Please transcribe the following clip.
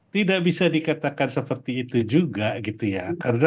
tidak bisa dikatakan seperti itu juga gitu ya